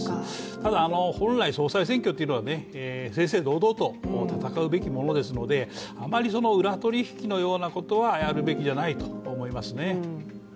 ただ、本来総裁選挙っていうのは正々堂々と戦うべきなのであまり裏取引のようなことはやるべきじゃないと思いますね。